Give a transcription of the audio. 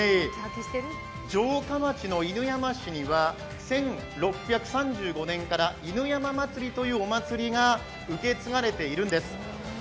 城下町の犬山市には１６３５年から犬山祭というお祭りが受け継がれているんです。